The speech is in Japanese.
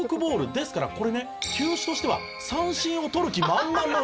ですからこれね球種としては三振をとる気満々の変化球」